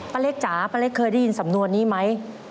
เล็กจ๋าป้าเล็กเคยได้ยินสำนวนนี้ไหม